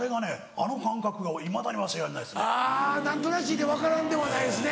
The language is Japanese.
あぁ何となしに分からんではないですね。